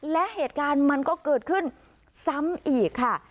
และเหตุการณ์มันก็เกิดขึ้นซ้ำอีกค่ะ